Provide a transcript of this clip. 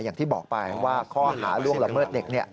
อย่างที่บอกไปว่าข้อหาล่วงละเมิดเด็ก